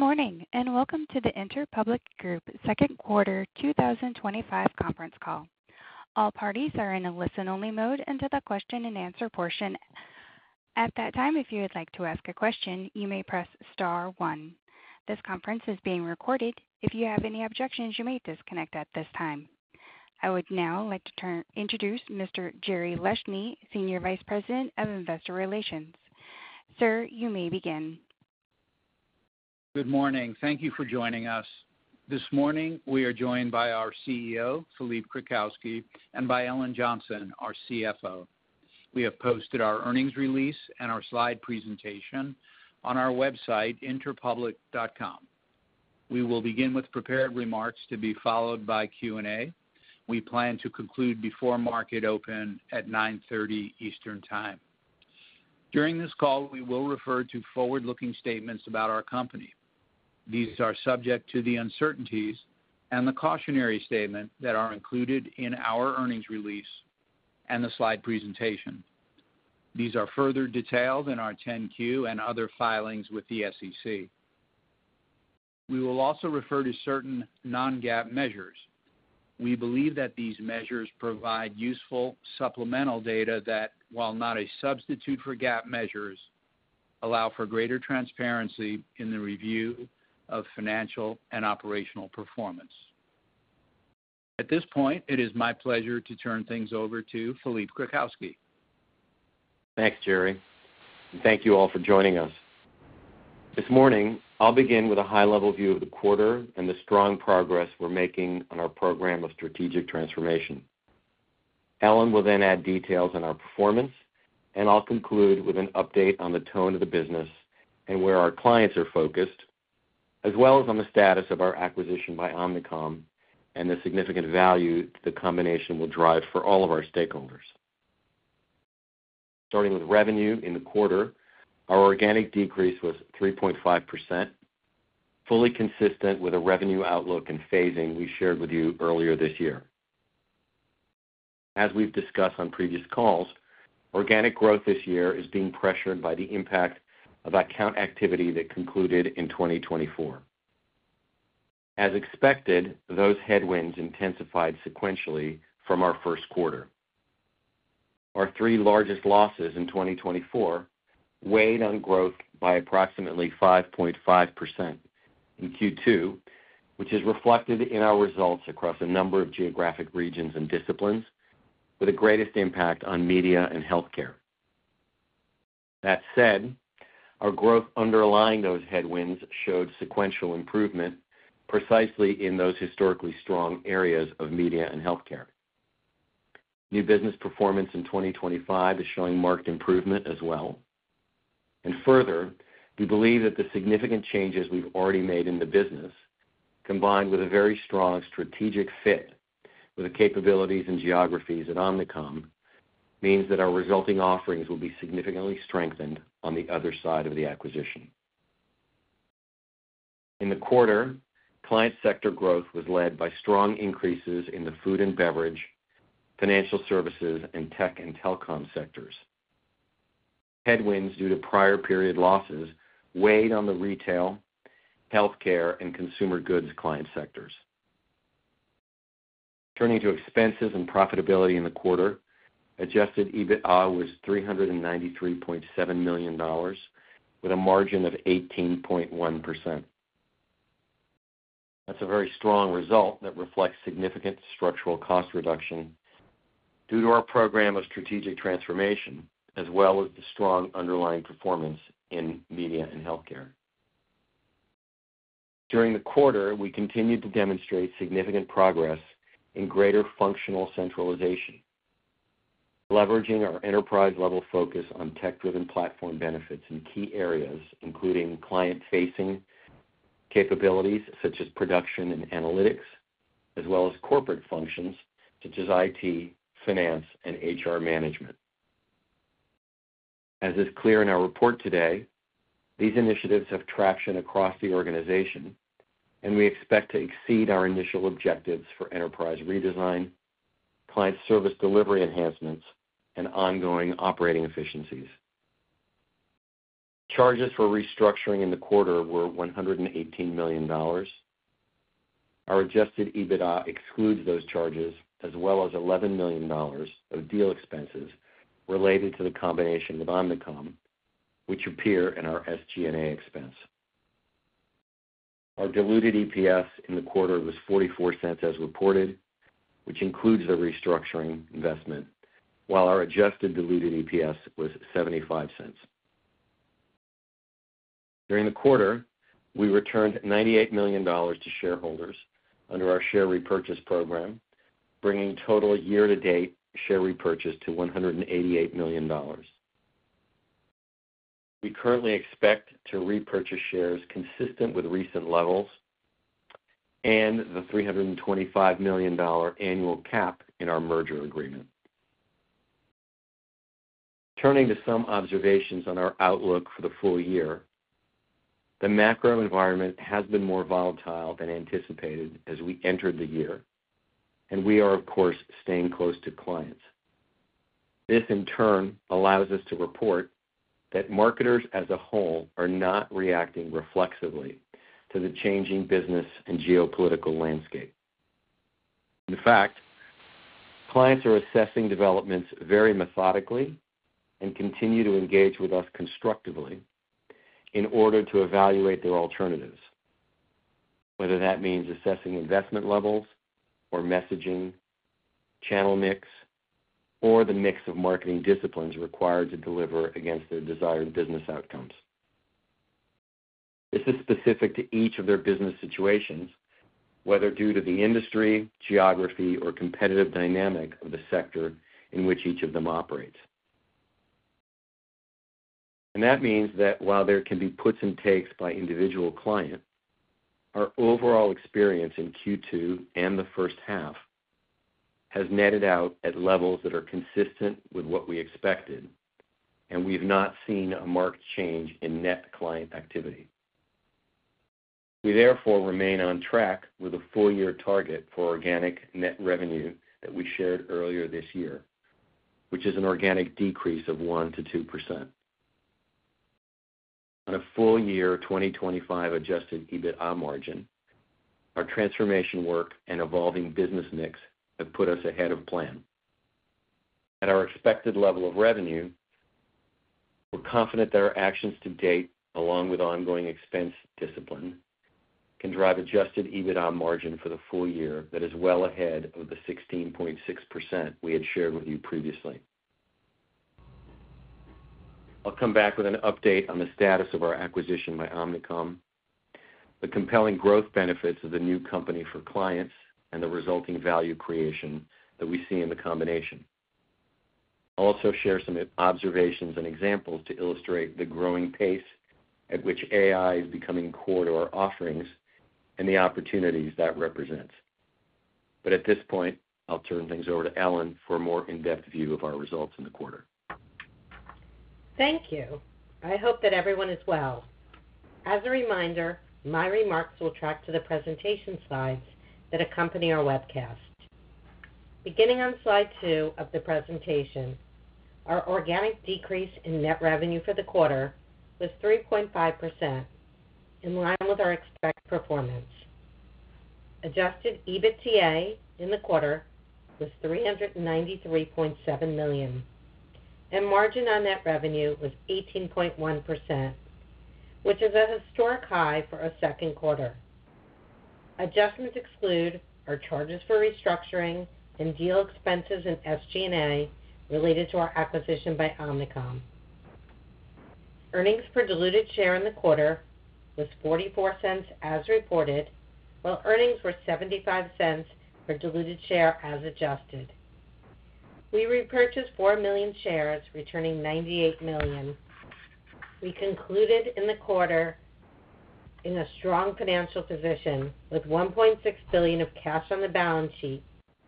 Good morning, and welcome to the Interpublic Group Second Quarter twenty twenty five Call. All parties are in a listen only mode until the question and answer portion. This conference is being recorded. If you have any objections, you may disconnect at this time. I would now like to introduce Mr. Jerry Leshny, Senior Vice President of Investor Relations. Sir, you may begin. Good morning. Thank you for joining us. This morning, we are joined by our CEO, Philippe Krakowski and by Ellen Johnson, our CFO. We have posted our earnings release and our slide presentation on our website, interpublic.com. We will begin with prepared remarks to be followed by Q and A. We plan to conclude before market open at 09:30 Eastern Time. During this call, we will refer to forward looking statements about our company. These are subject to the uncertainties and the cautionary statement that are included in our earnings release and the slide presentation. These are further detailed in our 10 Q and other filings with the SEC. We will also refer to certain non GAAP measures. We believe that these measures provide useful supplemental data that, while not a substitute for GAAP measures, allow for greater transparency in the review of financial and operational performance. At this point, it is my pleasure to turn things over to Philippe Krakowski. Thanks, Jerry, and thank you all for joining us. This morning, I'll begin with a high level view of the quarter and the strong progress we're making on our program of strategic transformation. Ellen will then add details on our performance, and I'll conclude with an update on the tone of the business and where our clients are focused, as well as on the status of our acquisition by Omnicom and the significant value the combination will drive for all of our stakeholders. Starting with revenue in the quarter, our organic decrease was 3.5%, fully consistent with the revenue outlook and phasing we shared with you earlier this year. As we've discussed on previous calls, organic growth this year is being pressured by the impact of account activity that concluded in 2024. As expected, those headwinds intensified sequentially from our first quarter. Our three largest losses in 2024 weighed on growth by approximately 5.5% in Q2, which is reflected in our results across a number of geographic regions and disciplines with the greatest impact on media and healthcare. That said, our growth underlying those headwinds showed sequential improvement precisely in those historically strong areas of media and healthcare. New business performance in 2025 is showing marked improvement as well. And further, we believe that the significant changes we've already made in the business, combined with a very strong strategic fit with the capabilities and geographies at Omnicom, means that our resulting offerings will be significantly strengthened on the other side of the acquisition. In the quarter, client sector growth was led by strong increases in the food and beverage, financial services and tech and telecom sectors. Headwinds due to prior period losses weighed on the retail, healthcare, and consumer goods client sectors. Turning to expenses and profitability in the quarter, adjusted EBITDA was $393,700,000 with a margin of 18.1%. That's a very strong result that reflects significant structural cost reduction due to our program of strategic transformation, as well as the strong underlying performance in media and healthcare. During the quarter, we continued to demonstrate significant progress in greater functional centralization, leveraging our enterprise level focus on tech driven platform benefits in key areas, including client facing capabilities such as production and analytics, as well as corporate functions such as IT, finance, and HR management. As is clear in our report today, these initiatives have traction across the organization, and we expect to exceed our initial objectives for enterprise redesign, client service delivery enhancements, and ongoing operating efficiencies. Charges for restructuring in the quarter were $118,000,000 Our adjusted EBITDA excludes those charges, as well as $11,000,000 of deal expenses related to the combination of Omnicom, which appear in our SG and A expense. Our diluted EPS in the quarter was $0.44 as reported, which includes the restructuring investment, while our adjusted diluted EPS was $0.75 During the quarter, we returned $98,000,000 to shareholders under our share repurchase program, bringing total year to date share repurchase to $188,000,000 We currently expect to repurchase shares consistent with recent levels and the $325,000,000 annual cap in our merger agreement. Turning to some observations on our outlook for the full year, the macro environment has been more volatile than anticipated as we entered the year, and we are of course staying close to clients. This in turn allows us to report that marketers as a whole are not reacting reflexively to the changing business and geopolitical landscape. In fact, clients are assessing developments very methodically and continue to engage with us constructively in order to evaluate their alternatives, whether that means assessing investment levels or messaging, channel mix, or the mix of marketing disciplines required to deliver against their desired business outcomes. This is specific to each of their business situations, whether due to the industry, geography, or competitive dynamic of the sector in which each of them operates. And that means that while there can be puts and takes by individual client, our overall experience in Q2 and the first half has netted out at levels that are consistent with what we expected, and we've not seen a marked change in net client activity. We therefore remain on track with a full year target for organic net revenue that we shared earlier this year, which is an organic decrease of 1% to 2%. On a full year 2025 adjusted EBITDA margin, our transformation work and evolving business mix have put us ahead of plan. At our expected level of revenue, we're confident that our actions to date along with ongoing expense discipline can drive adjusted EBITDA margin for the full year that is well ahead of the 16.6% we had shared with you previously. I'll come back with an update on the status of our acquisition by Omnicom, the compelling growth benefits of the new company for clients, and the resulting value creation that we see in the combination. I'll also share some observations and examples to illustrate the growing pace at which AI is becoming core to our offerings and the opportunities that represents. But at this point, I'll turn things over to Ellen for a more in-depth view of our results in the quarter. Thank you. I hope that everyone is well. As a reminder, my remarks will track to the presentation slides that accompany our webcast. Beginning on Slide two of the presentation, our organic decrease in net revenue for the quarter was 3.5%, in line with our expected performance. Adjusted EBITDA in the quarter was $393,700,000 and margin on net revenue was 18.1%, which is a historic high for our second quarter. Adjustments exclude our charges for restructuring and deal expenses and SG and A related to our acquisition by Omnicom. Earnings per diluted share in the quarter was $0.44 as reported, while earnings were $0.75 per diluted share as adjusted. We repurchased 4,000,000 shares, returning $98,000,000 We concluded in the quarter in a strong financial position with $1,600,000,000 of cash on the balance sheet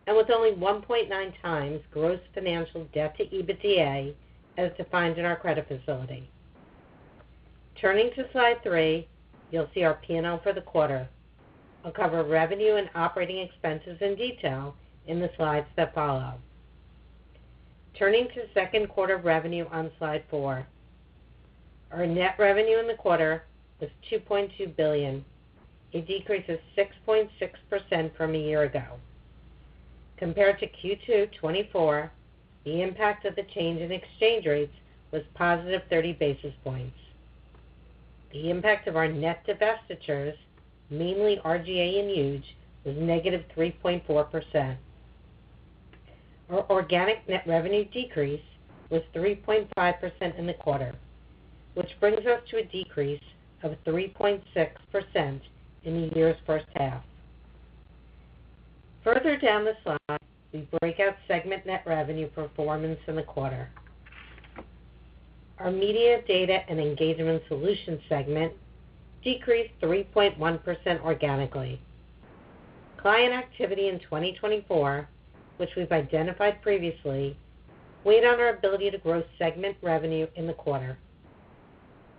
and with only 1.9 times gross financial debt to EBITDA as defined in our credit facility. Turning to Slide three, you'll see our P and L for the quarter. I'll cover revenue and operating expenses in detail in the slides that follow. Turning to second quarter revenue on slide four. Our net revenue in the quarter was 2,200,000,000.0 a decrease of 6.6% from a year ago. Compared to Q2 twenty twenty four, the impact of the change in exchange rates was positive 30 basis points. The impact of our net divestitures, mainly RGA and Huge, was negative 3.4%. Our organic net revenue decrease was 3.5% in the quarter, which brings us to a decrease of 3.6% in the year's first half. Further down the slide, we break out segment net revenue performance in the quarter. Our Media, Data and Engagement Solutions segment decreased 3.1% organically. Client activity in 2024, which we've identified previously, weighed on our ability to grow segment revenue in the quarter.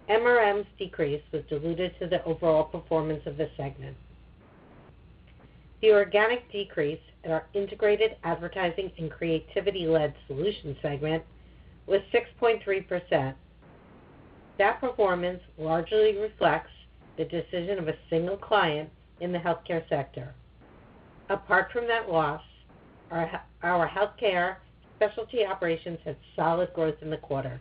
MRM's decrease was diluted to the overall performance of this segment. The organic decrease in our integrated advertising and creativity led solutions segment was 6.3%. That performance largely reflects the decision of a single client in the health care sector. Apart from that loss, our health care specialty operations had solid growth in the quarter.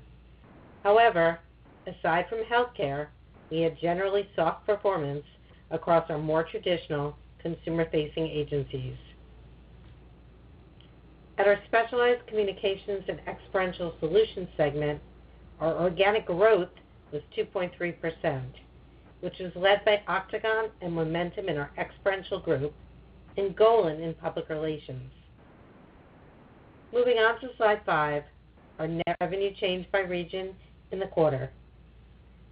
However, aside from health care, we had generally soft performance across our more traditional consumer facing agencies. At our Specialized Communications and Experiential Solutions segment, our organic growth was 2.3%, which was led by Octagon and Momentum in our Experiential group and Golin in Public Relations. Moving on to Slide five, our net revenue change by region in the quarter.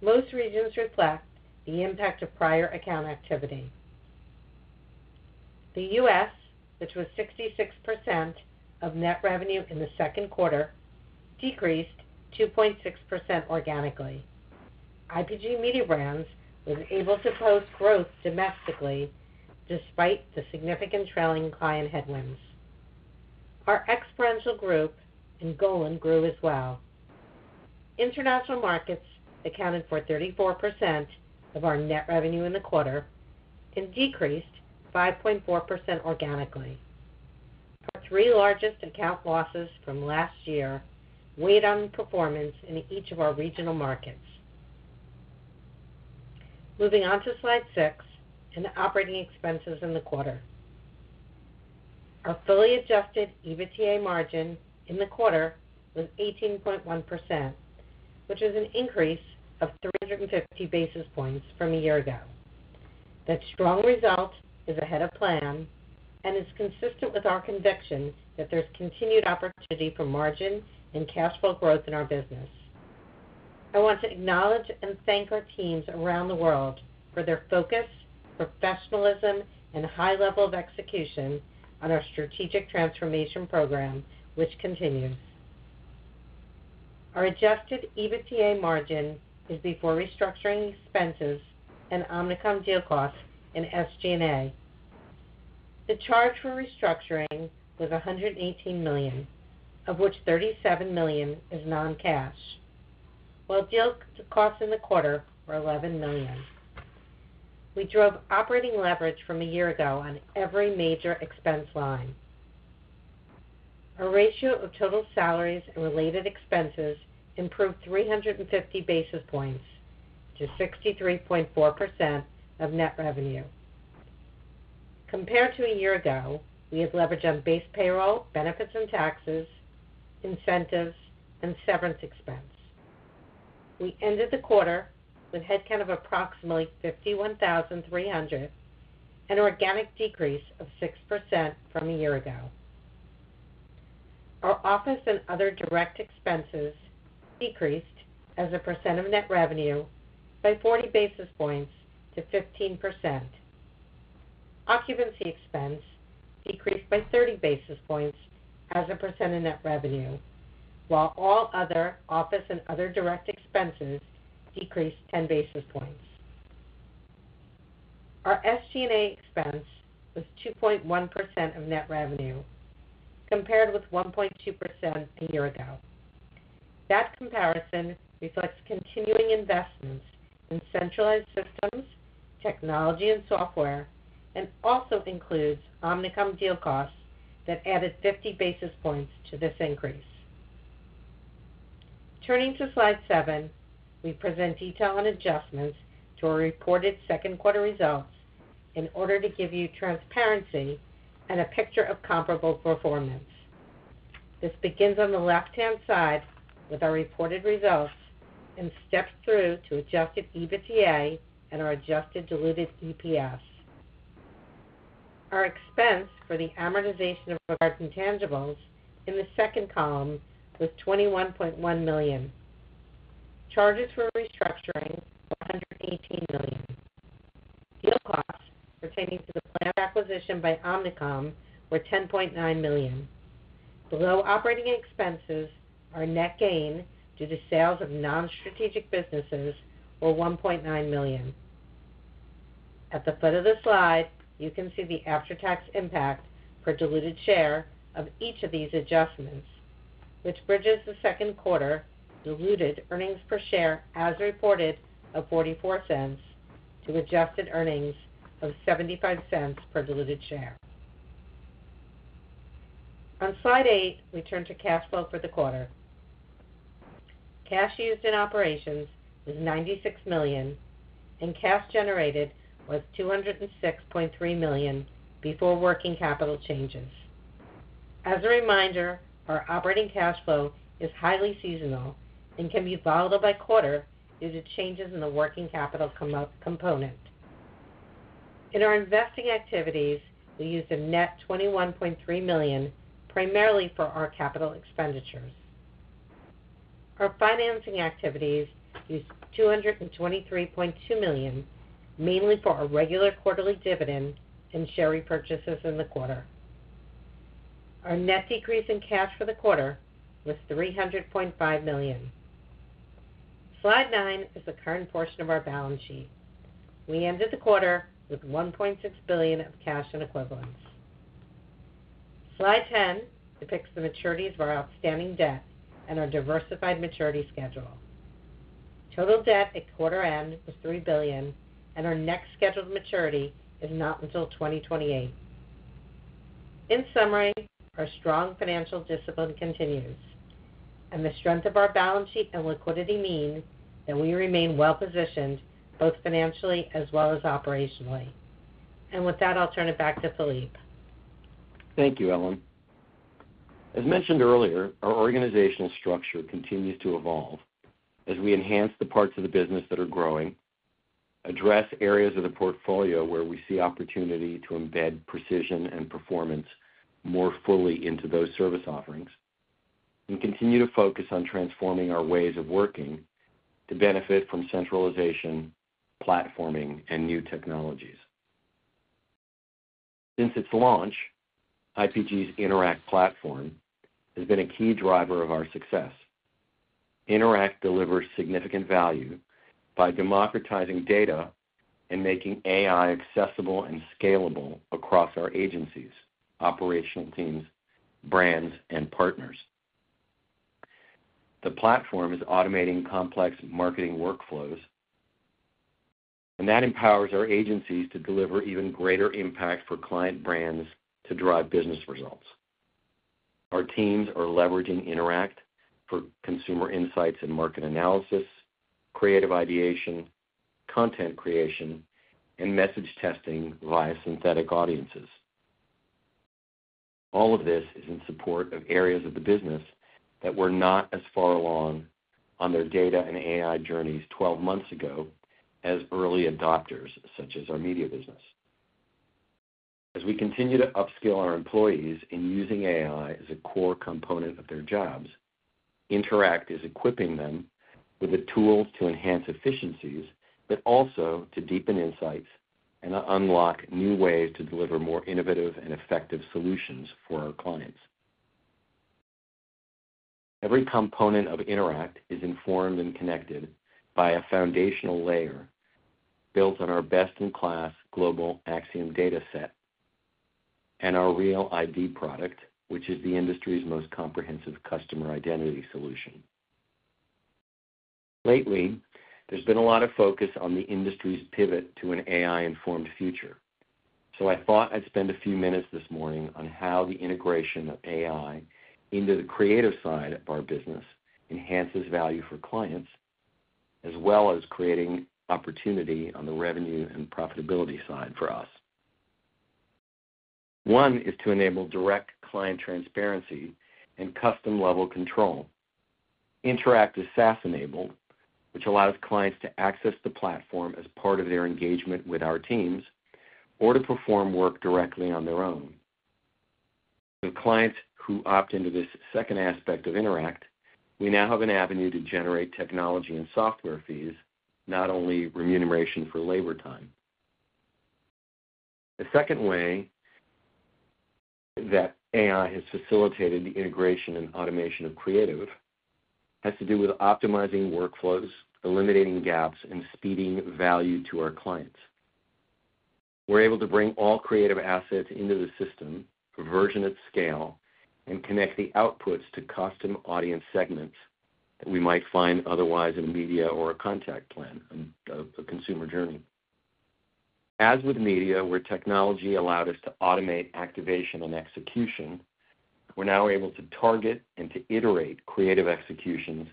Most regions reflect the impact of prior account activity. The U. S, which was 66% of net revenue in the second quarter, decreased 2.6% organically. IPG Mediabrands was able to post growth domestically despite the significant trailing client headwinds. Our experiential group and GOLAN grew as well. International markets accounted for 34% of our net revenue in the quarter and decreased 5.4% organically. Our three largest account losses from last year weighed on performance in each of our regional markets. Moving on to Slide six and operating expenses in the quarter. Our fully adjusted EBITDA margin in the quarter was 18.1%, which is an increase of three fifty basis points from a year ago. That strong result is ahead of plan and is consistent with our conviction that there's continued opportunity for margin and cash flow growth in our business. I want to acknowledge and thank our teams around the world for their focus, professionalism and high level execution on our strategic transformation program, which continues. Our adjusted EBITDA margin is before restructuring expenses and Omnicom deal costs and SG and A. The charge restructuring was $118,000,000 of which $37,000,000 is noncash, while deal costs in the quarter were $11,000,000 We drove operating leverage from a year ago on every major expense line. Our ratio of total salaries and related expenses improved three fifty basis points to 63.4% of net revenue. Compared to a year ago, we have leveraged on base payroll, benefits and taxes, incentives and severance expense. We ended the quarter with headcount of approximately 51,300, an organic decrease of 6% from a year ago. Our office and other direct expenses decreased as a percent of net revenue by 40 basis points to 15%. Occupancy expense decreased by 30 basis points as a percent of net revenue, while all other office and other direct expenses decreased 10 basis points. Our SG and A expense was 2.1% of net revenue compared with 1.2% a year ago. That comparison reflects continuing investments in centralized systems, technology and software, and also includes Omnicom deal costs that added 50 basis points to this increase. Turning to Slide seven, we present detail on adjustments to our reported second quarter results in order to give you transparency and a picture of comparable performance. This begins on the left hand side with our reported results and steps through to adjusted EBITDA and our adjusted diluted EPS. Our expense for the amortization of our intangibles in the second column was $21,100,000 Charges for restructuring were $118,000,000 Deal costs pertaining to the planned acquisition by Omnicom were $10,900,000 Below operating expenses, our net gain due to sales of nonstrategic businesses were $1,900,000 At the foot of the slide, you can see the after tax impact per diluted share of each of these adjustments, which bridges the second quarter diluted earnings per share as reported of zero four four dollars to adjusted earnings of $0.75 per diluted share. On Slide eight, we turn to cash flow for for the quarter. Cash used in operations was $96,000,000 and cash generated was $206,300,000 before working capital changes. As a reminder, our operating cash flow is highly seasonal and can be volatile by quarter due to changes in the working capital component. In our investing activities, we used a net $21,300,000 primarily for our capital expenditures. Our financing activities used $223,200,000 mainly for our regular quarterly dividend and share repurchases in the quarter. Our net decrease in cash for the quarter was $300,500,000 Slide nine is the current portion of our balance sheet. We ended the quarter with 1,600,000,000 of cash and equivalents. Slide 10 depicts the maturities of our outstanding debt and our diversified maturity schedule. Total debt at quarter end was 3,000,000,000 scheduled maturity is not until 2028. In summary, our strong financial discipline continues. And the strength of our balance sheet and liquidity mean that we remain well positioned both financially as well as operationally. And with that, I'll turn it back to Philippe. Thank you, Ellen. As mentioned earlier, our organizational structure continues to evolve as we enhance the parts of the business that are growing, address areas of the portfolio where we see opportunity to embed precision and performance more fully into those service offerings, and continue to focus on transforming our ways of working to benefit from centralization, platforming, and new technologies. Since its launch, IPG's Interact platform has been a key driver of our success. Interact delivers significant value by democratizing data and making AI accessible and scalable across our agencies, operational teams, brands, and partners. The platform is automating complex marketing workflows, and that empowers our agencies to deliver even greater impact for client brands to drive business results. Our teams are leveraging Interact for consumer insights and market analysis, creative ideation, content creation, and message testing via synthetic audiences. All of this is in support of areas of the business that were not as far along on their data and AI journeys twelve months ago as early adopters such as our media business. As we continue to upscale our employees in using AI as a core component of their jobs, Interact is equipping them with the tools to enhance efficiencies, but also to deepen insights and unlock new ways to deliver more innovative and effective solutions for our clients. Every component of Interact is informed and connected by a foundational layer built on our best in class global Acxiom data set, and our REAL ID product, which is the industry's most comprehensive customer identity solution. Lately, there's been a lot of focus on the industry's pivot to an AI informed future, so I thought I'd spend a few minutes this morning on how the integration of AI into the creative side of our business enhances value for clients, as well as creating opportunity on the revenue and profitability side for us. One is to enable direct client transparency and custom level control. Interact is SaaS enabled, which allows clients to access the platform as part of their engagement with our teams or to perform work directly on their own. With clients who opt into this second aspect of Interact, we now have an avenue to generate technology and software fees, not only remuneration for labor time. The second way that AI has facilitated the integration and automation of Creative has to do with optimizing workflows, eliminating gaps, and speeding value to our clients. We're able to bring all creative assets into the system, version at scale, and connect the outputs to custom audience segments that we might find otherwise in media or a contact plan, a consumer journey. As with media, where technology allowed us to automate activation and execution, we're now able to target and to iterate creative executions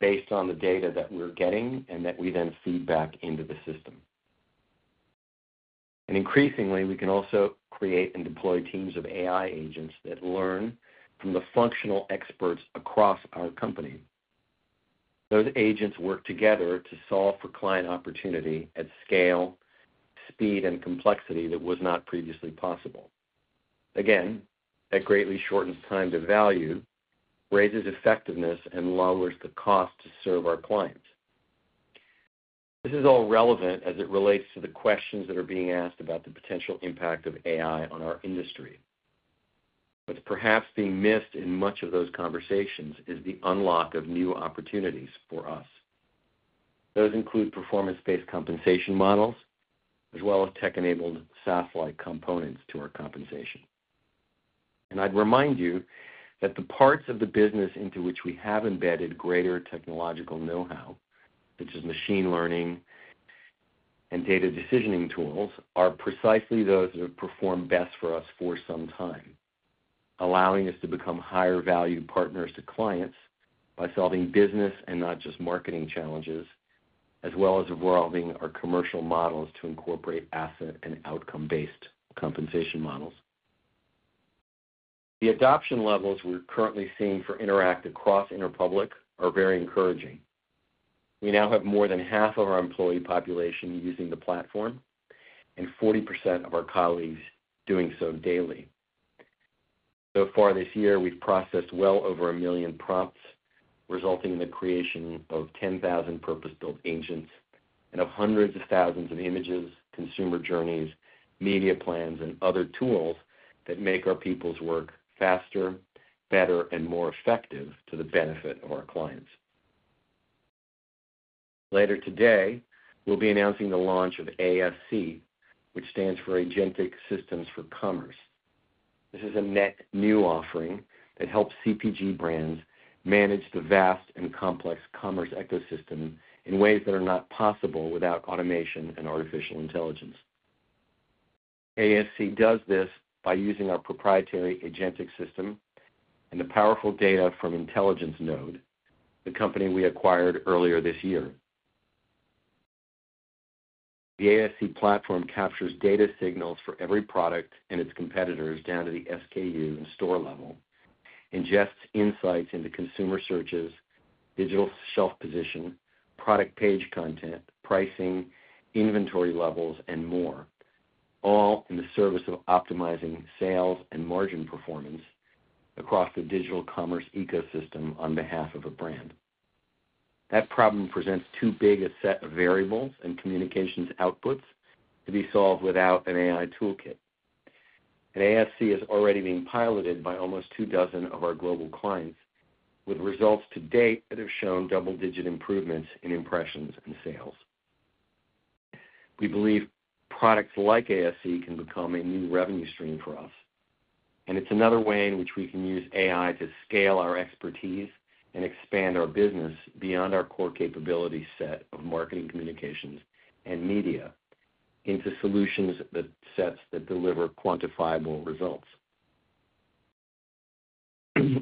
based on the data that we're getting and that we then feed back into the system. And increasingly, we can also create and deploy teams of AI agents that learn from the functional experts across our company. Those agents work together to solve for client opportunity at scale, speed, and complexity that was not previously possible. Again, that greatly shortens time to value, raises effectiveness, and lowers the cost to serve our clients. This is all relevant as it relates to the questions that are being asked about the potential impact of AI on our industry. What's perhaps being missed in much of those conversations is the unlock of new opportunities for us. Those include performance based compensation models, as well as tech enabled SaaS like components to our compensation. And I'd remind you that the parts of the business into which we have embedded greater technological know how, such as machine learning and data decisioning tools, are precisely those that have performed best for us for some time, allowing us to become higher valued partners to clients by solving business and not just marketing challenges, as well as evolving our commercial models to incorporate asset and outcome based compensation models. The adoption levels we're currently seeing for Interact across Interpublic are very encouraging. We now have more than half of our employee population using the platform and 40% of our colleagues doing so daily. So far this year, we've processed well over a million prompts, resulting in the creation of 10,000 purpose built agents and of hundreds of thousands of images, consumer journeys, media plans, and other tools that make our people's work faster, better, and more effective to the benefit of our clients. Later today, we'll be announcing the launch of ASC, which stands for Agentic Systems for Commerce. This is a net new offering that helps CPG brands manage the vast and complex commerce ecosystem in ways that are not possible without automation and artificial intelligence. ASC does this by using our proprietary AgenTx system and the powerful data from Intelligence Node, the company we acquired earlier this year. The ASC platform captures data signals for every product and its competitors down to the SKU and store level, ingests insights into consumer searches, digital shelf position, product page content, pricing, inventory levels, and more, all in the service of optimizing sales and margin performance across the digital commerce ecosystem on behalf of a brand. That problem presents too big a set of variables and communications outputs to be solved without an AI toolkit. And ASC is already being piloted by almost two dozen of our global clients, with results to date that have shown double digit improvements in impressions and sales. We believe products like ASC can become a new revenue stream for us, and it's another way in which we can use AI to scale our expertise and expand our business beyond our core capability set of marketing communications and media into solutions sets that deliver quantifiable results.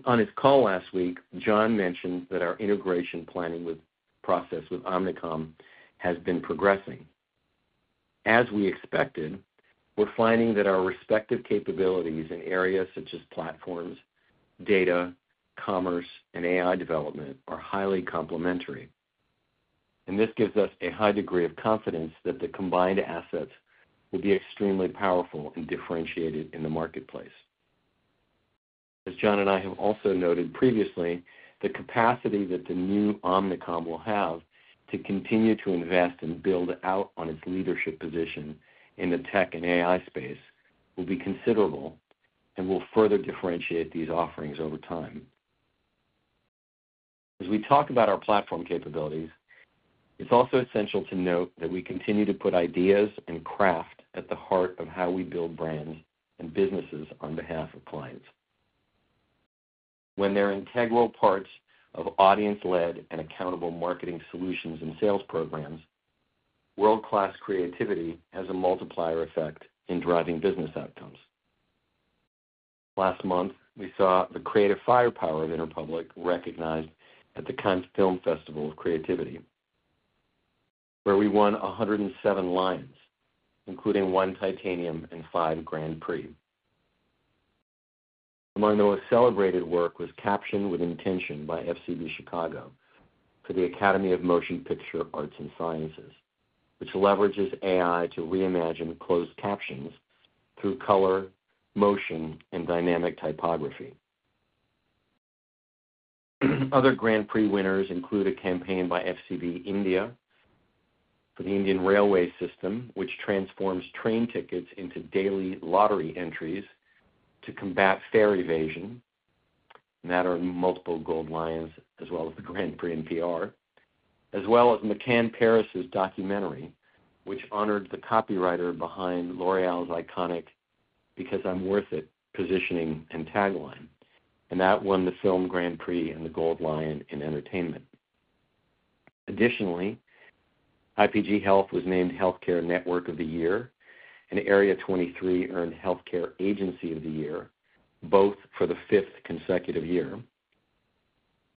On his call last week, John mentioned that our integration planning process with Omnicom has been progressing. As we expected, we're finding that our respective capabilities in areas such as platforms, data, commerce, and AI development are highly complementary. And this gives us a high degree of confidence that the combined assets will be extremely powerful and differentiated in the marketplace. As John and I have also noted previously, the capacity that the new Omnicom will have to continue to invest and build out on its leadership position in the tech and AI space will be considerable and will further differentiate these offerings over time. As we talk about our platform capabilities, it's also essential to note that we continue to put ideas and craft at the heart of how we build brands and businesses on behalf of clients. When they're integral parts of audience led and accountable marketing solutions and sales programs, world class creativity has a multiplier effect in driving business outcomes. Last month, we saw the creative firepower of Interpublic recognized at the Cannes Film Festival of Creativity, where we won 107 Lions, including one Titanium and five Grand Prix. Marinoa's celebrated work was Caption with Intention by FCB Chicago for the Academy of Motion Picture Arts and Sciences, which leverages AI to reimagine closed captions through color, motion, and dynamic typography. Other Grand Prix winners include a campaign by FCB India for the Indian Railway System, which transforms train tickets into daily lottery entries to combat fare evasion, and that earned multiple Gold Lions as well as the Grand Prix NPR, as well as McCann Paris's documentary which honored the copywriter behind L'Oreal's iconic Because I'm Worth It positioning and tagline. And that won the film Grand Prix and the Gold Lion in entertainment. Additionally, IPG Health was named Healthcare Network of the Year and Area 23 earned Healthcare Agency of the Year, both for the fifth consecutive year.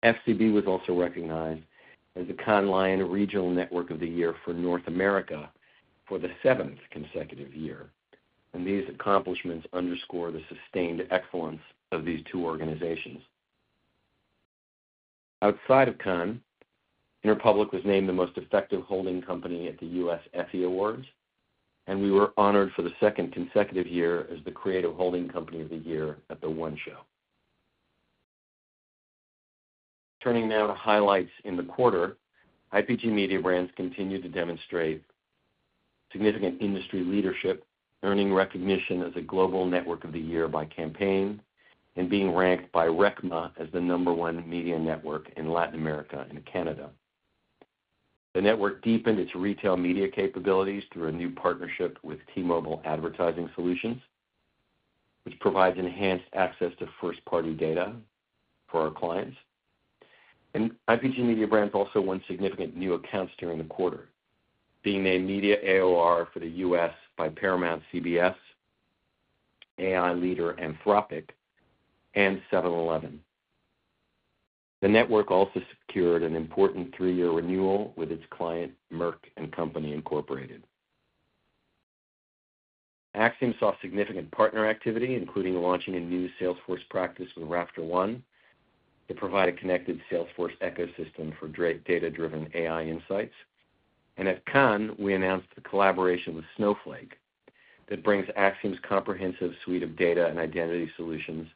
FCB was also recognized as the ConnLion Regional Network of the Year for North America for the seventh consecutive year. And these accomplishments underscore the sustained excellence of these two organizations. Outside of Conn, Interpublic was named the most effective holding company at The U. S. Effie Awards, and we were honored for the second consecutive year as the creative holding company of the year at the ONE Show. Turning now to highlights in the quarter, IPG Mediabrands continued to demonstrate significant industry leadership, earning recognition as a global network of the year by campaign, and being ranked by RECMA as the number one media network in Latin America and Canada. The network deepened its retail media capabilities through a new partnership with T Mobile Advertising Solutions, which provides enhanced access to first party data for our clients. And IPG Mediabrand also won significant new accounts during the quarter, being named Media AOR for The US by Paramount CBS, AI leader Anthropic, and seven Eleven. The network also secured an important three year renewal with its client Merck and Company Incorporated. Acxiom saw significant partner activity including launching a new Salesforce practice with RaptorOne to provide a connected Salesforce ecosystem for data driven AI insights. And at Cannes, we announced a collaboration with Snowflake that brings Acxiom's comprehensive suite of data and identity solutions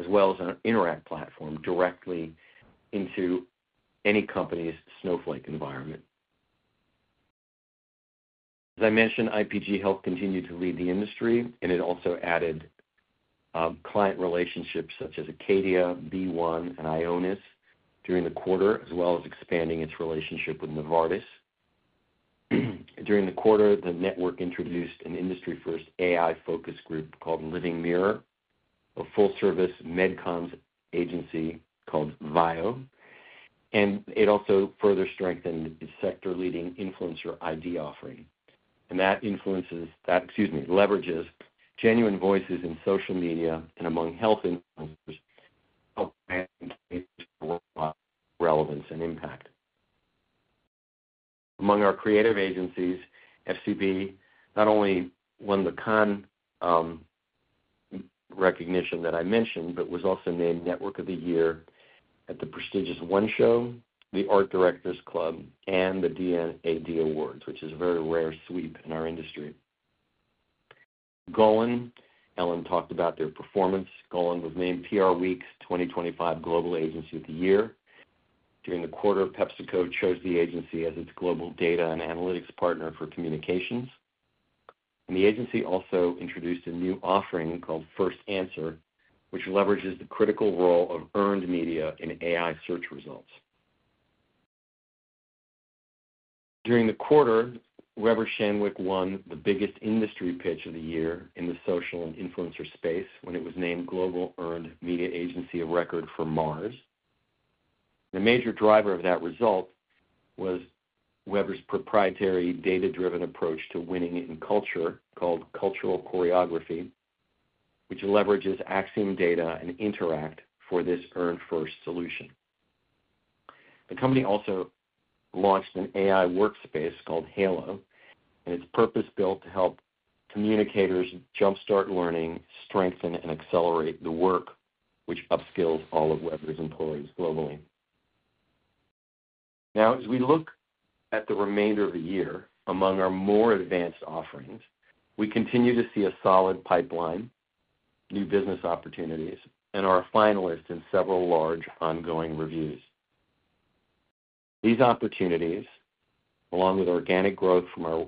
as well as an interact platform directly into any company's Snowflake environment. As I mentioned, IPG Health continued to lead the industry and it also added client relationships such as Acadia, B1 and Ionis during the quarter as well as expanding its relationship with Novartis. During the quarter, the network introduced an industry first AI focused group called Living Mirror, a full service medcoms agency called VIO. And it also further strengthened its sector leading influencer ID offering. And that influences excuse me, leverages genuine voices in social media and among health influencers to help advance relevance and impact. Among our creative agencies, FCB not only won the con recognition that I mentioned, but was also named Network of the Year at the prestigious One Show, the Art Directors Club, and the DNAD Awards, which is a very rare sweep in our industry. GOLAN, Ellen talked about their performance. GOLEN was named PRWeek's twenty twenty five Global Agency of the Year. During the quarter, Pepsico chose the agency as its global data and analytics partner for communications. And the agency also introduced a new offering called First Answer, which leverages the critical role of earned media in AI search results. During the quarter, Weber Shandwick won the biggest industry pitch of the year in the social and influencer space when it was named global earned media agency of record for MARS. The major driver of that result was Weber's proprietary data driven approach to winning in culture called Cultural Choreography, which leverages Acxiom Data and Interact for this Earn First solution. The company also launched an AI workspace called Halo, and it's purpose built to help communicators jumpstart learning, strengthen, accelerate the work which upskills all of Weber's employees globally. Now as we look at the remainder of the year, among our more advanced offerings, we continue to see a solid pipeline, new business opportunities, and are finalists in several large ongoing reviews. These opportunities, along with organic growth from our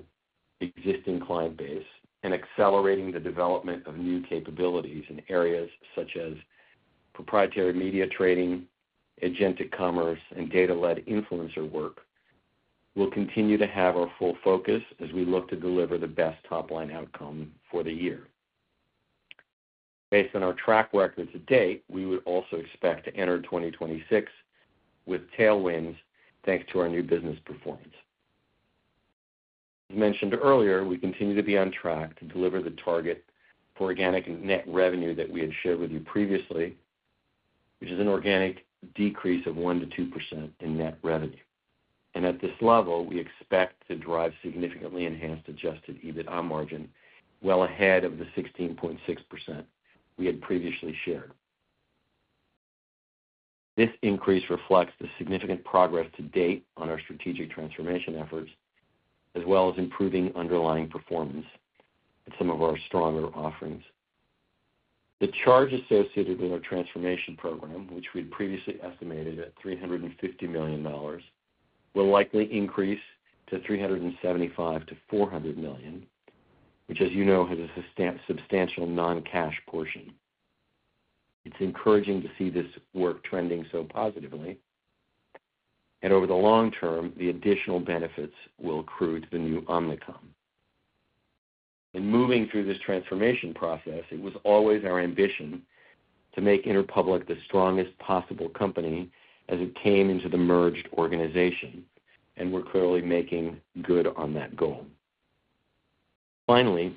existing client base and accelerating the development of new capabilities in areas such as proprietary media trading, agentic commerce, and data led influencer work, will continue to have our full focus as we look to deliver the best top line outcome for the year. Based on our track record to date, we would also expect to enter 2026 with tailwinds, thanks to our new business performance. As mentioned earlier, we continue to be on track to deliver the target for organic net revenue that we had shared with you previously, which is an organic decrease of 1% to 2% in net revenue. And at this level, we expect to drive significantly enhanced adjusted EBITDA margin well ahead of the 16.6% we had previously shared. This increase reflects the significant progress to date on our strategic transformation efforts, as well as improving underlying performance in some of our stronger offerings. The charge associated with our transformation program, which we'd previously estimated at $350,000,000 will likely increase to $375,000,000 to $400,000,000 which as you know has a substantial non cash portion. It's encouraging to see this work trending so positively. And over the long term, the additional benefits will accrue to the new Omnicom. In moving through this transformation process, it was always our ambition to make Interpublic the strongest possible company as it came into the merged organization. And we're clearly making good on that goal. Finally,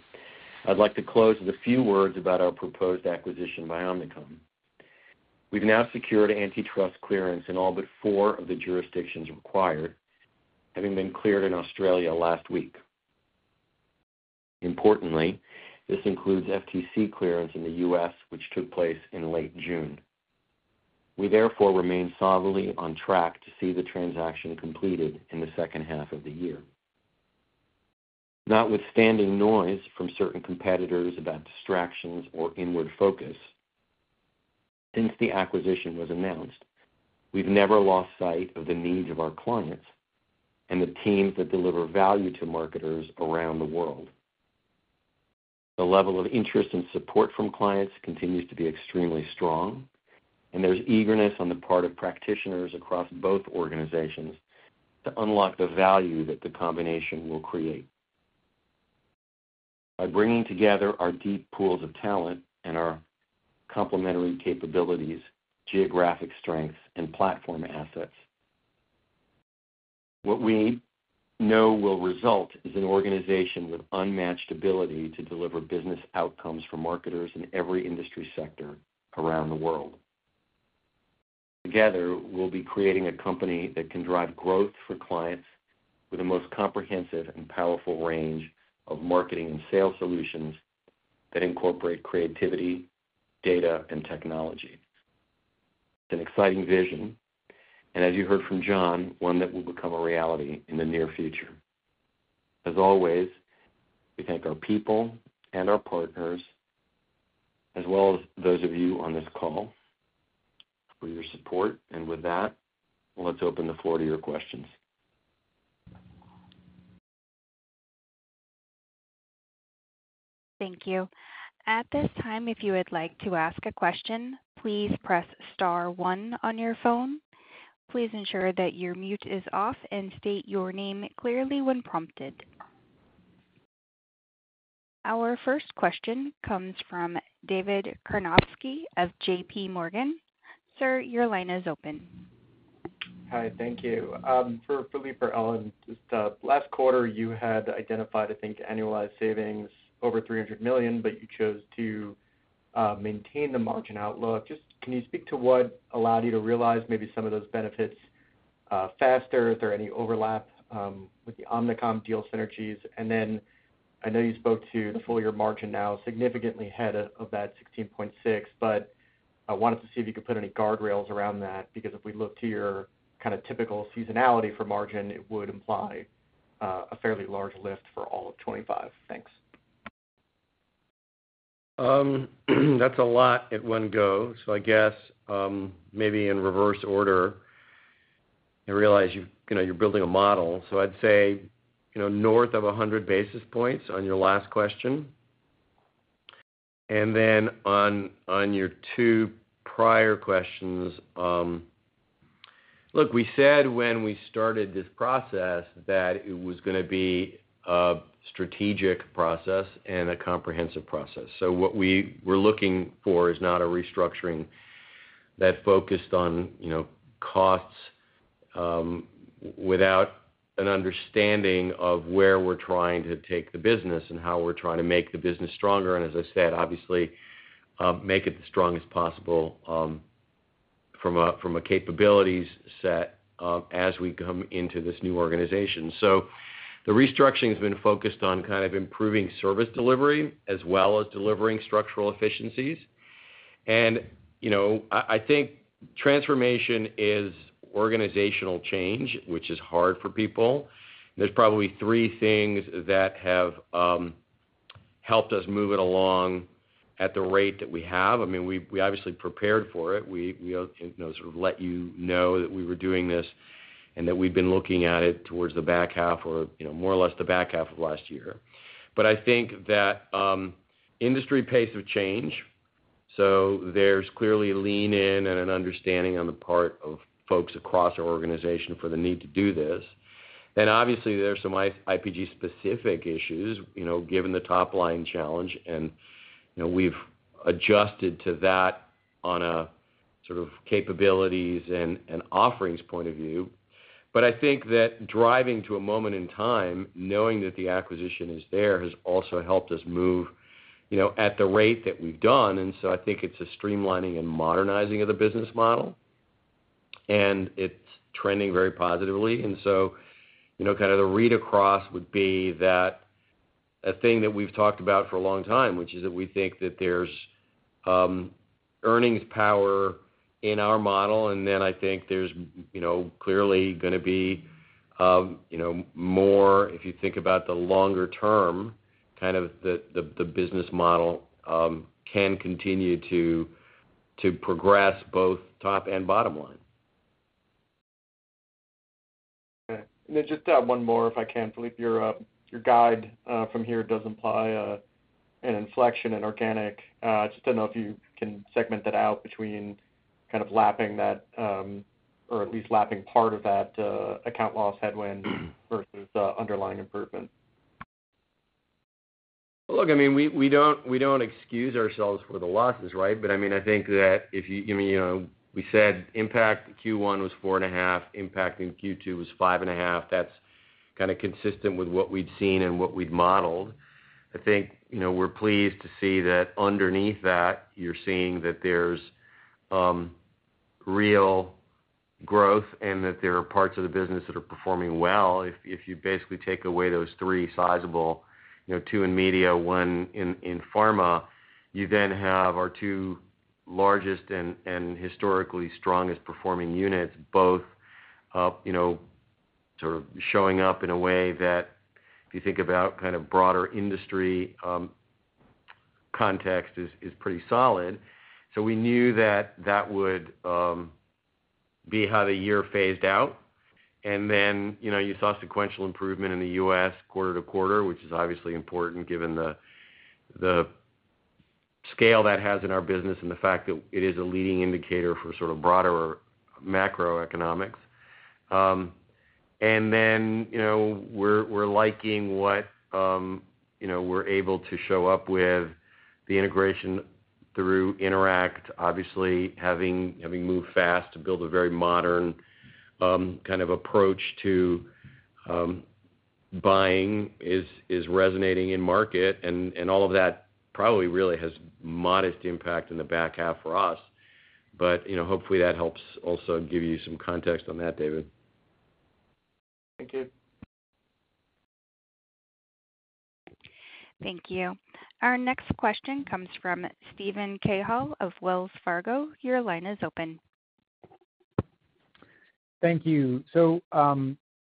I'd like to close with a few words about our proposed acquisition by Omnicom. We've now secured antitrust clearance in all but four of the jurisdictions required, having been cleared in Australia last week. Importantly, this includes FTC clearance in The US, which took place in late June. We therefore remain solidly on track to see the transaction completed in the second half of the year. Notwithstanding noise from certain competitors about distractions or inward focus, Since the acquisition was announced, we've never lost sight of the needs of our clients and the teams that deliver value to marketers around the world. The level of interest and support from clients continues to be extremely strong, and there's eagerness on the part of practitioners across both organizations to unlock the value that the combination will create. By bringing together our deep pools of talent and our complementary capabilities, geographic strengths, and platform assets. What we know will result is an organization with unmatched ability to deliver business outcomes for marketers in every industry sector around the world. Together, we'll be creating a company that can drive growth for clients with the most comprehensive and powerful range of marketing and sales solutions that incorporate creativity, data, and technology. It's an exciting vision, and as you heard from John, one that will become a reality in the near future. As always, we thank our people and our partners, as well as those of you on this call for your support. And with that, let's open the floor to your questions. Thank you. At this time, if you would like to ask a question, please press Our first question comes from David Karnovsky of JPMorgan. Sir, your line is open. Hi, thank you. For Philippe or Ellen, just last quarter you had identified, I think, annualized savings over $300,000,000 but you chose to maintain the margin outlook. Just can you speak to what allowed you to realize maybe some of those benefits faster? Is there any overlap with the Omnicom deal synergies? And then I know you spoke to the full year margin now significantly ahead of that 16.6, But I wanted to see if you could put any guardrails around that because if we look to your kind of typical seasonality for margin, it would imply a fairly large lift for all of '25. Thanks. That's a lot at one go. So I guess maybe in reverse order, I realize you're building a model. So I'd say north of 100 basis points on your last question. And then on your two prior questions, look, we said when we started this process that it was going to be a strategic process and a comprehensive process. So what we were looking for is not a restructuring that focused on costs without an understanding of where we're trying to take the business and how we're trying to make the business stronger and as I said, obviously make it as strong as possible from a capabilities set as we come into this new organization. So the restructuring has been focused on kind of improving service delivery as well as delivering structural efficiencies. And I think transformation is organizational change, which is hard for people. There's probably three things that have helped us move it along at the rate that we have. I mean, we obviously prepared for it. We sort of let you know that we were doing this and that we've been looking at it towards the back half or more or less the back half of last year. But I think that industry pace of change, so there's clearly lean in and an understanding on the part of folks across our organization for the need to do this. And obviously there's some IPG specific issues given the top line challenge and we've adjusted to that on a sort of capabilities and offerings point of view. But I think that driving to a moment in time, knowing that the acquisition is there has also helped us move at the rate that we've done. And so I think it's a streamlining and modernizing of the business model and it's trending very positively. And so kind of the read across would be that a thing that we've talked about for a long time, is that we think that there's earnings power in our model and then I think there's clearly going to be more, if you think about the longer term, kind of the business model can continue to progress both top and bottom line. Okay. And then just one more if I can, Philippe. Your guide from here does imply an inflection in organic. Just don't know if you can segment that out between kind of lapping that or at least lapping part of that account loss headwind versus underlying improvement. Look, I mean, we excuse ourselves for the losses, right? But I mean, I think that if you give me, we said impact in Q1 was 4.5, impact in Q2 was 5.5. That's kind of consistent with what we've seen and what we've modeled. I think we're pleased to see that underneath that you're seeing that there's real growth and that there are parts of the business that are performing well. If you basically take away those three sizable two in media, one in pharma, you then have our two largest and historically strongest performing units both sort of showing up in a way that you think about kind of broader industry context is pretty solid. So we knew that that would be how the year phased out. And then you saw sequential improvement in The US quarter to quarter, which is obviously important given the scale that has in our business and the fact that it is a leading indicator for sort of broader macroeconomics. And then we're liking what we're able to show up with the integration through Interact, obviously having moved fast to build a very modern kind of approach to buying is resonating in market and all of that probably really has modest impact in the back half for us. But hopefully that helps also give you some context on that, David. Thank you. Thank you. Our next question comes from Steven Cahall of Wells Fargo. Your line is open. Thank you.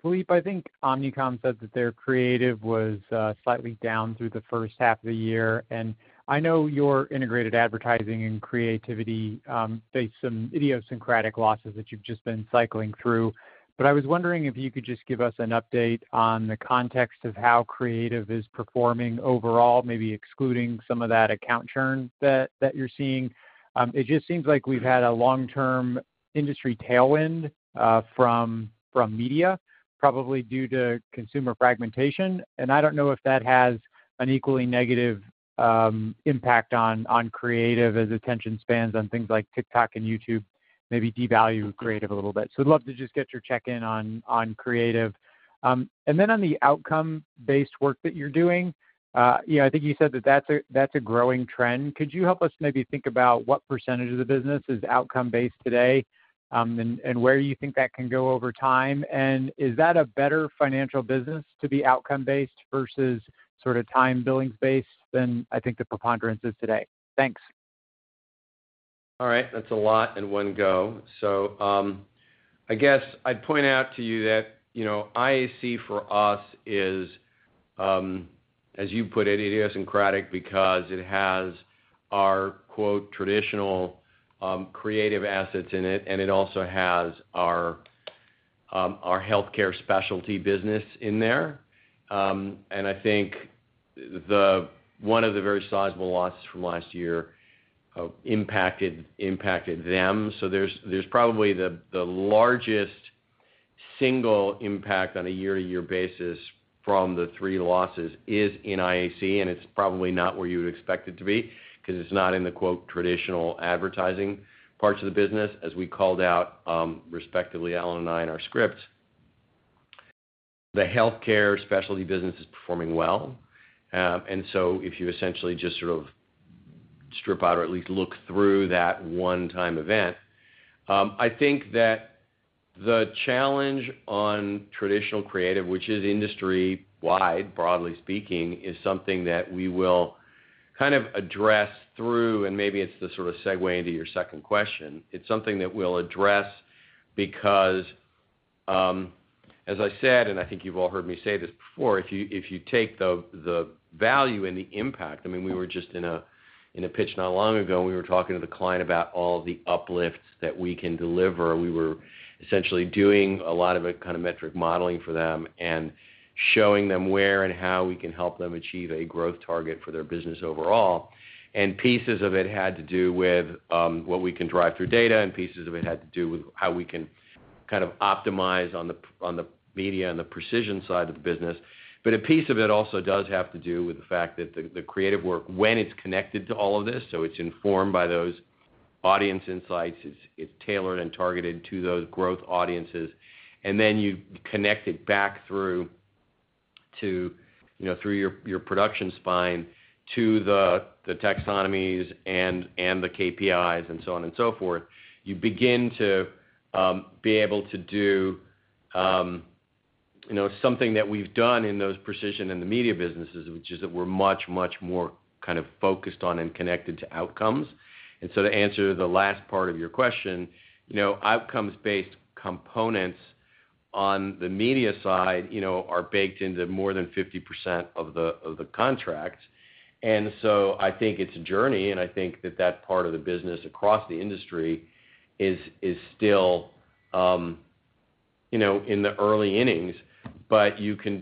Philippe, I think Omnicom said that their creative was slightly down through the first half of the year. And I know your integrated advertising and creativity faced some idiosyncratic losses that you've just been cycling through. But I was wondering if you could just give us an update on the context of how Creative is performing overall, maybe excluding some of that account churn that you're seeing. It just seems like we've had a long term industry tailwind from media probably due to consumer fragmentation. And I don't know if that has an equally negative impact on creative as attention spans on things like TikTok and YouTube maybe devalue creative a little bit. So I'd love to just get your check-in on creative. And then on the outcome based work that you're doing, I think you said that that's a growing trend. Could you help us maybe think about what percentage of the business is outcome based today And where you think that can go over time? And is that a better financial business to be outcome based versus sort of time billings based than I think the preponderance is today? Thanks. Alright, that's a lot in one go. So I guess I'd point out to you that IAC for us is, as you put it, idiosyncratic because it has our quote traditional creative assets in it and it also has our healthcare specialty business in there. And I think one of the very sizable losses from last year impacted impacted them. So there's there's probably the the largest single impact on a year to year basis from the three losses is in IAC and it's probably not where you would expect it to be, cause it's not in the quote traditional advertising parts of the business as we called out respectively, Alan and I in our script. The healthcare specialty business is performing well. And so if you essentially just sort of strip out or at least look through that one time event. I think that the challenge on traditional creative, is industry wide, broadly speaking, is something that we will kind of address through, and maybe it's the sort of segue into your second question, it's something that we'll address because, as I said, and I think you've all heard me say this before, you take the value and the impact, I mean we were just in a pitch not long ago and we were talking to the client about all the uplifts that we can deliver. We were essentially doing a lot of a kind of metric modeling for them and showing them where and how we can help them achieve a growth target for their business overall. And pieces of it had to do with what we can drive through data and pieces of it had to do with how we can kind of optimize on the media and the precision side of the business. But a piece of it also does have to do with the fact that the creative work, when it's connected to all of this, so it's informed by those audience insights, it's tailored and targeted to those growth audiences, and then you connect it back through your production spine to the taxonomies and the KPIs and so on and so forth, you begin to be able to do something that we've done in those precision and the media businesses, which is that we're much, much more kind of focused on and connected to outcomes. And so to answer the last part of your question, outcomes based components on the media side are baked into more than 50% of contract. And so I think it's a journey and I think that that part of the business across the industry is still in the early innings, but you can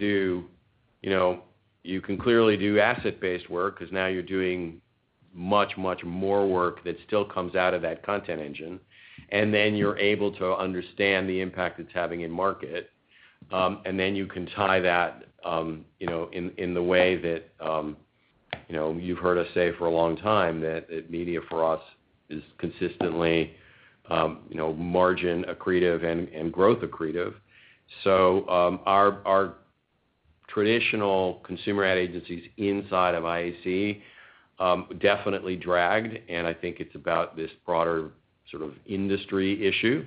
clearly do asset based work because now you're doing much, much more work that still comes out of that content engine and then you're able to understand the impact it's having in market and then you can tie that in the way that you've heard us say for a long time that media for us is consistently margin accretive and growth accretive. So our traditional consumer ad agencies inside of IAC definitely dragged and I think it's about this broader sort of industry issue.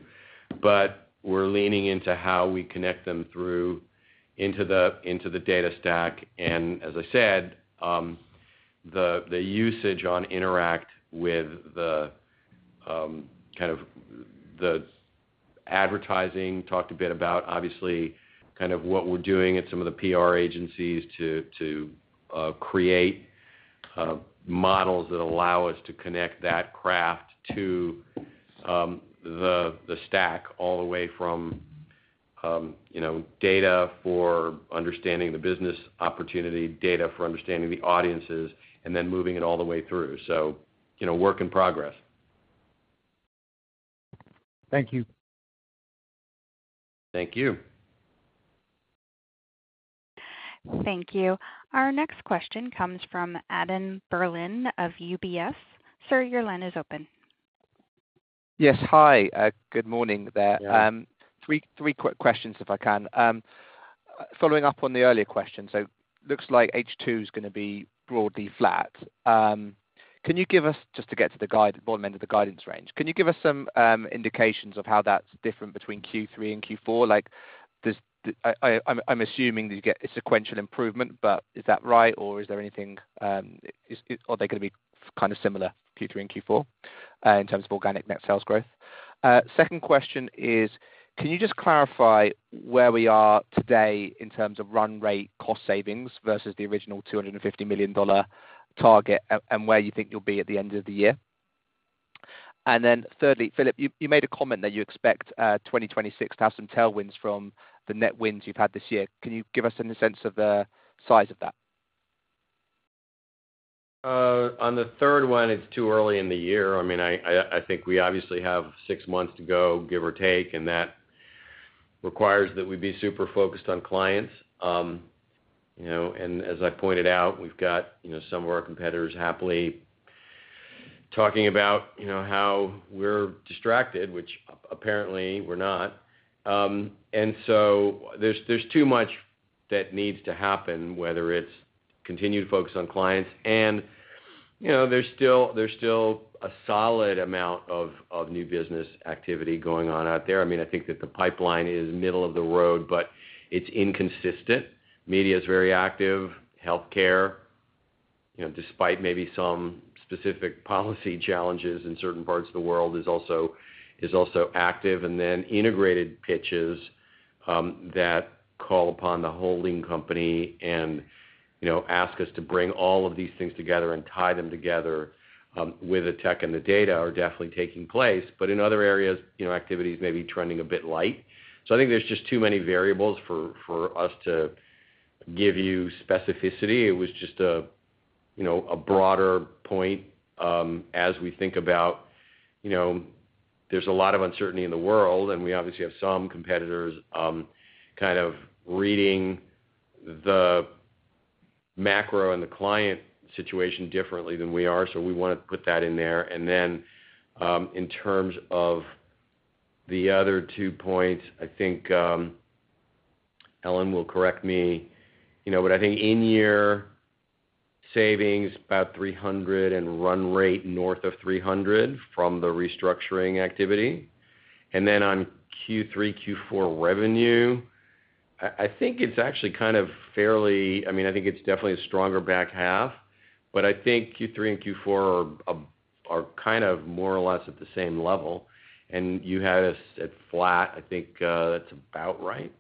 But we're leaning into how we connect them through into the data stack and as I said, the usage on Interact with the kind of the advertising, talked a bit about obviously kind of what we're doing at some of the PR agencies to create models that allow us to connect that craft to the stack all the way from data for understanding the business opportunity, data for understanding the audiences and then moving it all the way through. So, you know, work in progress. Thank you. Thank you. Thank you. Our next question comes from Adam Berlin of UBS. Sir, your line is open. Yes. Hi. Good morning there. Three quick questions, if I can. Following up on the earlier question, so it looks like H2 is going to be broadly flat. Can you give us just to get to the guide, bottom end of the guidance range, can you give us some indications of how that's different between Q3 and Q4? Like I'm assuming that you get a sequential improvement, but is that right? Or is there anything are they going to be kind of similar Q3 and Q4 in terms of organic net sales growth? Second question is, can you just clarify where we are today in terms of run rate cost savings versus the original $250,000,000 target and where you think you'll be at the end of the year? And then thirdly, Filip, you made a comment that you expect 2026 to have some tailwinds from the net wins you've had this year. Can you give us any sense of the size of that? On the third one, it's too early in the year. I mean, I think we obviously have six months to go, give or take, and that requires that we be super focused on clients. And as I pointed out, we've got some of our competitors happily talking about how we're distracted, which apparently we're not. And so there's too much that needs to happen, whether it's continued focus on clients. And there's still a solid amount of new business activity going on out there. Mean, think that the pipeline is middle of the road, but it's inconsistent. Media is very active. Healthcare, despite maybe some specific policy challenges in certain parts of the world, active is and then integrated pitches that call upon the holding company and ask us to bring all of these things together and tie them together with the tech and the data are definitely taking place. But in other areas, you know, may be trending a bit light. So I think there's just too many variables for us to give you specificity. It was just a, a broader point as we think about, there's a lot of uncertainty in the world and we obviously have some competitors kind of reading the macro and the client situation differently than we are. So we want to put that in there. And then in terms of the other two points, I think Ellen will correct me. But I think in year savings about 300,000,000 and run rate north of 300,000,000 from the restructuring activity. And then on Q3, Q4 revenue, I think it's actually kind of fairly I mean, I think it's definitely a stronger back half. But I think Q3 and Q4 are kind of more or less at the same level. And you had us at flat, I think that's about right.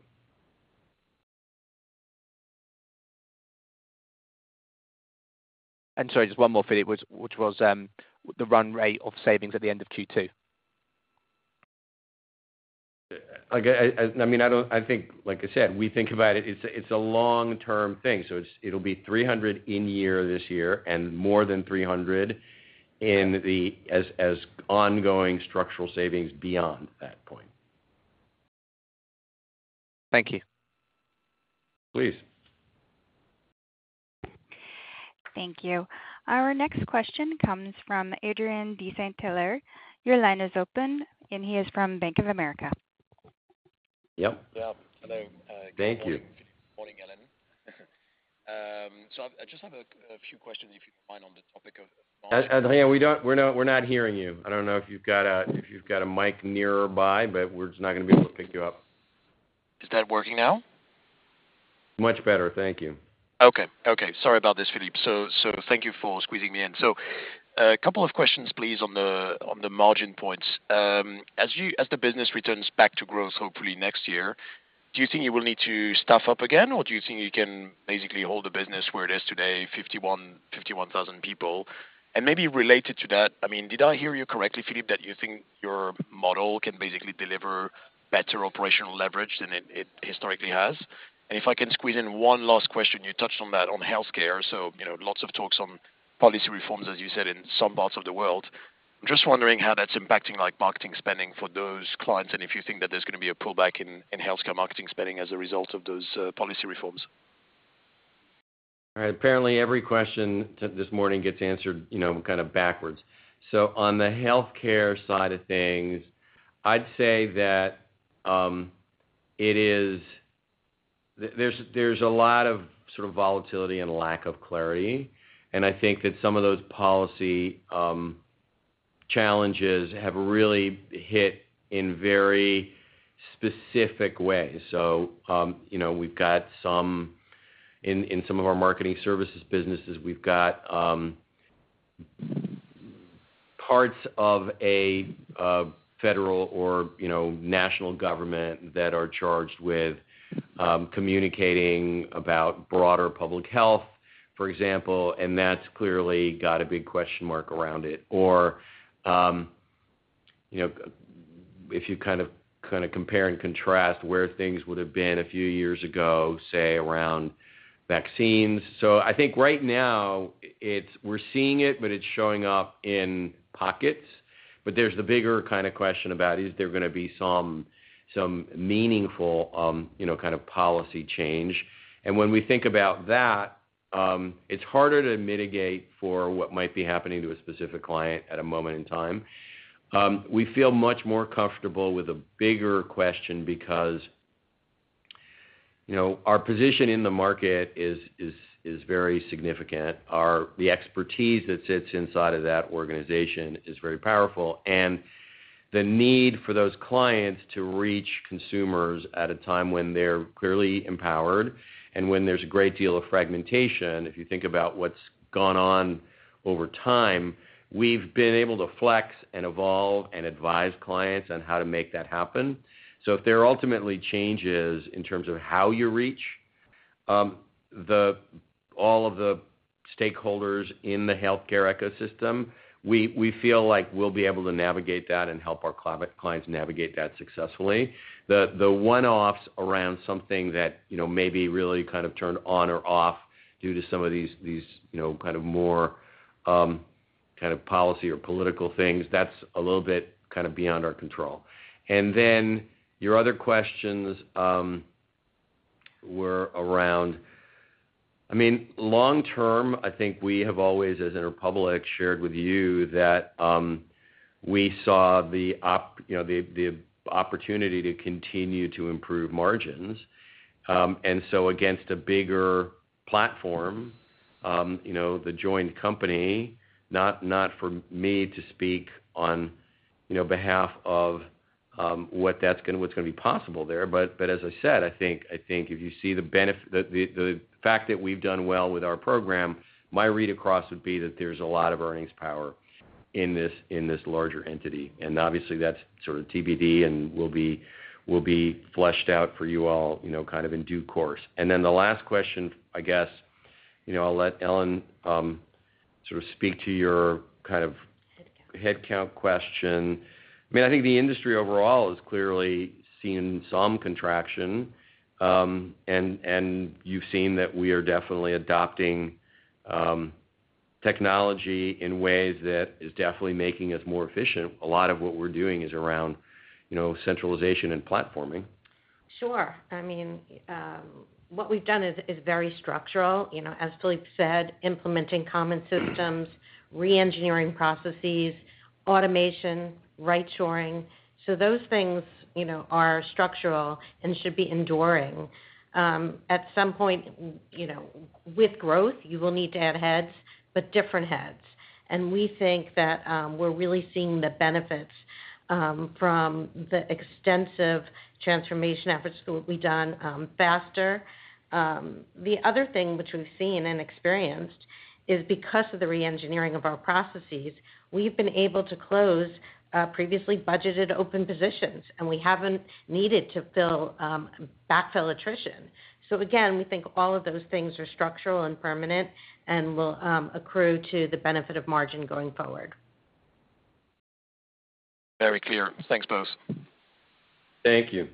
And sorry, just one more, which was the run rate of savings at the end of Q2? I mean, I don't I think, like I said, we think about it, it's long term thing. So it'll be 300 in year this year and more than 300 in the as ongoing structural savings beyond that point. Thank you. Please. Thank you. Our next question comes from Adrian D. St. Taylor. Your line is open and he is from Bank of America. Yep. Hello. Thank you. Good morning, Alan. So I just have a few questions if you can find on the topic of Adrian, we're not hearing you. I don't know if you've got a mic nearby, but we're just not going be able to pick you up. Is that working now? Much better. Thank you. Okay. Sorry about this, Philippe. So thank you for squeezing me in. So a couple of questions please on the margin points. As the business returns back to growth hopefully next year, do you think you will need to staff up again? Or do you think you can basically hold the business where it is today, 51,000 people? And maybe related to that, I mean, did I hear you correctly, Philippe, that you think your model can basically deliver better operational leverage than it historically has? And if I can squeeze in one last question, you touched on that on health care. So lots of talks on policy reforms, as you said, in some parts of the world. I'm just wondering how that's impacting like marketing spending for those clients and if you think that there's going be a pullback in healthcare marketing spending as a result of those policy reforms. Apparently every question this morning gets answered kind of backwards. So on the health care side of things, I'd say that there's a lot of sort of volatility and lack of clarity. And I think that some of those policy challenges have really hit in very specific ways. So we've got some in some of our marketing services businesses, we've got parts of a federal or national government that are charged with communicating about broader public health, for example, and that's clearly got a big question mark around it. Or if you kind of compare and contrast where things would have been a few years ago, say around vaccines. So I think right now, we're seeing it, but it's showing up in pockets. But there's the bigger kind of question about is there going to be some meaningful kind of policy change? And when we think about that, it's harder to mitigate for what might be happening to a specific client at a moment in time. We feel much more comfortable with a bigger question because our position in the market is very significant. The expertise that sits inside of that organization is very powerful. And the need for those clients to reach consumers at a time when they're clearly empowered and when there's a great deal of fragmentation, if you think about what's gone on over time, we've been able to flex and evolve and advise clients on how to make that happen. So if there are ultimately changes in terms of how you reach all of the stakeholders in the healthcare ecosystem, we feel like we'll be able to navigate that and help our clients navigate that successfully. The one offs around something that maybe really kind of turned on or off due to some of these kind of more kind of policy or political things, that's a little bit kind of beyond our control. And then your other questions were around, I mean, long term, I think we have always as Interpublic shared with you that we saw the opportunity to continue to improve margins. And so against a bigger platform, the joint company, not for me to speak behalf of what's going be possible there. But as I said, think if you see the fact that we've done well with our program, my read across would be that there's a lot of earnings power in this larger entity. And obviously that's sort of TBD and will be flushed out for you all kind of in due course. And then the last question, guess, I'll let Ellen sort of speak to your kind of headcount question. I mean, I think the industry overall is clearly seeing some contraction and you've seen that we are definitely adopting technology in ways that is definitely making us more efficient. A lot of what we're doing is around centralization and platforming. Sure. I mean, what we've done is very structural. As Philippe said, implementing common systems, reengineering processes, automation, right shoring. So those things are structural and should be enduring. At some point, with growth, you will need to add heads, but different heads. And we think that we're really seeing the benefits from the extensive transformation efforts that will be done faster. The other thing which we've seen and experienced is because of the reengineering of our processes, we've been able to close previously budgeted open positions, and we haven't needed to backfill attrition. So again, we think all of those things are structural and permanent and will accrue to the benefit of margin going forward. Very clear. Thanks, Bose. Thank you.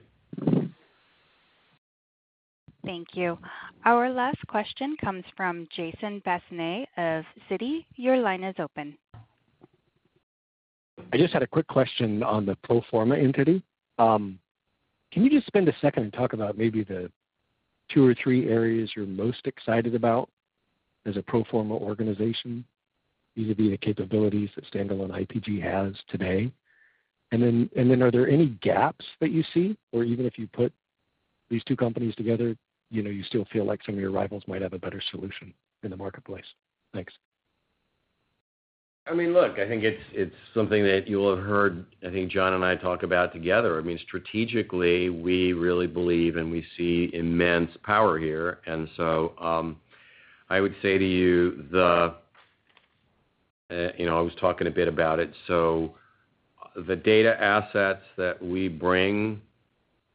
Thank you. Our last question comes from Jason Bessnais of Citi. Your line is open. I just had a quick question on the pro form a entity. Can you just spend a second and talk about maybe the two or three areas you are most excited about as a pro form a organization vis a vis the capabilities that standalone IPG has today? And then are there any gaps that you see? Or even if you put these two companies together, you still feel like some of your rivals might have a better solution in the marketplace? Thanks. I mean look, I think it's something that you will have heard, I think John and I talk about together. I mean strategically, we really believe and we see immense power here. And so I would say to you, I was talking a bit about it. So the data assets that we bring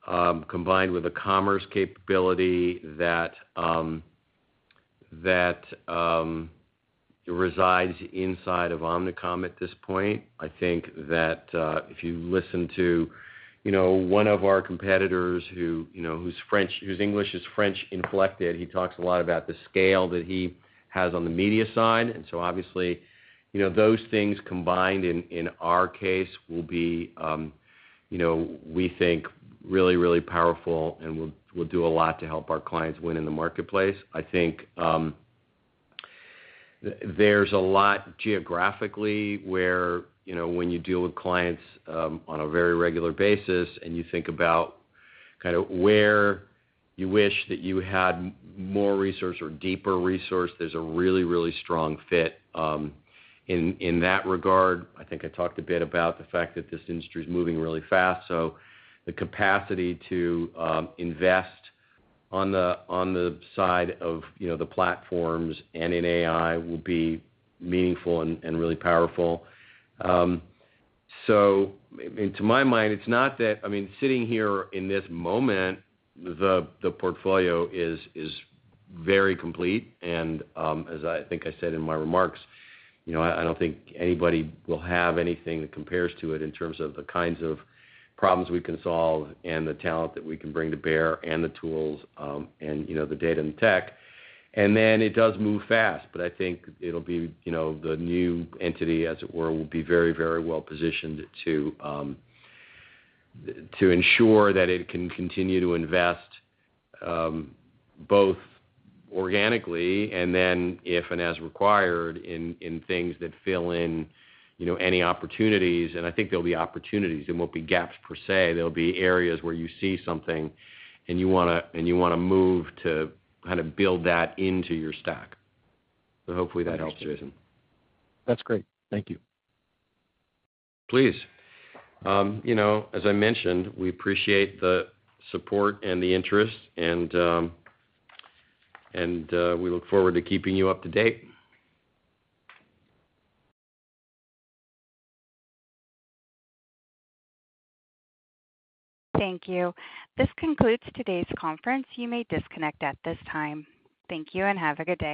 combined with the commerce capability that resides inside of Omnicom at this point, I think that if you listen to one of our competitors whose English is French inflected, he talks a lot about the scale that he has on the media side. And so obviously those things combined in our case will be, we think, really, really powerful and will do a lot to help our clients win in the marketplace. I think there's a lot geographically where when you deal with clients on a very regular basis and you think about kind of where you wish that you had more resource or deeper resource, there's a really, really strong fit in that regard. I think I talked a bit about the fact that this industry is moving really fast. So the capacity to invest on the side of the platforms and in AI will be meaningful and really powerful. So to my mind, it's not that I mean sitting here in this moment, the portfolio is very complete and as I think I said in my remarks, I don't think anybody will have anything that compares to it in terms of the kinds of problems we can solve and the talent that we can bring to bear and the tools the data and tech. And then it does move fast but I think it will be the new entity as it were will be very, very well positioned to ensure that it can continue to invest both organically and then if and as required in things that fill in any opportunities. And I think there will be opportunities. There won't be gaps per se. There will be areas where you see something and you want to move to kind of build that into your stack. So hopefully that That's helps, great. Thank you. Please. You know, as I mentioned, we appreciate the support and the interest, and and we look forward to keeping you up to date. Thank you. This concludes today's conference. You may disconnect at this time. Thank you and have a good